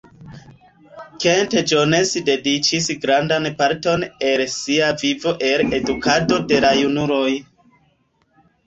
Kent Jones dediĉis grandan parton el sia vivo al edukado de la junuloj.